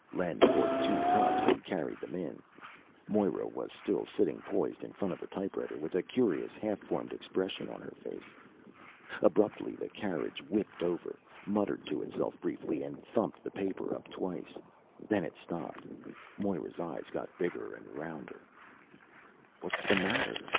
Len poured two cups and carried them in. Moira was still sitting poised in front of the typewriter, with a curious half formed expression on her face. Abruptly the carriage whipped over, muttered to itself briefly and thumped the paper up twice. Then it stopped. Moira's eyes got bigger and rounder. "What's the matter?"